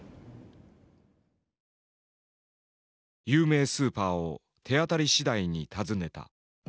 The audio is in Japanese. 有名スーパーを手当たりしだいに訪ねた。